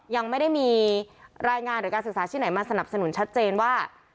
ยังไม่ได้มีรายงานหรือการศึกษาที่ไหนมาสนับสนุนชัดเจนว่า